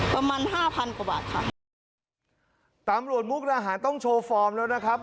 ประมาณห้าพันกว่าบาทค่ะตำรวจมุกดาหารต้องโชว์ฟอร์มแล้วนะครับ